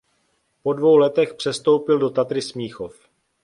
Po dvou letech přestoupil do Tatry Smíchov.